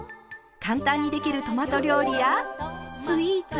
簡単にできるトマト料理やスイーツ。